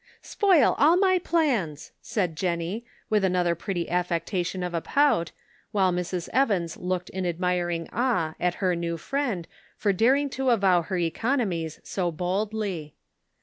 " Spoil all my plans," said Jennie, with another pretty affectation of a pout, while Mrs. Evans looked in admiring awe at her new friend for daring to avow her economies so boldly.